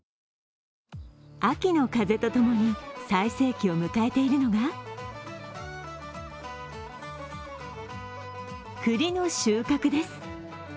秋の風とともに最盛期を迎えているのが栗の収穫です。